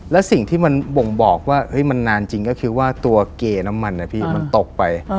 และสิ่งที่มันบ่งบอกว่ามันนานจริงก็คือว่าตัวเกน้ำมันนะพี่มันตกไป